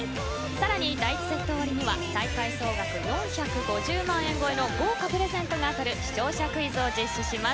さらに第１セット終わりには大会総額４５０万円超えの豪華プレゼントが当たる視聴者クイズを実施します。